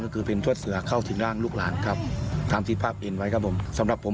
ก็คือเป็นทวดเสือเข้าสินร่างลูกหลานทำที่ภาพเห็นไว้ครับผม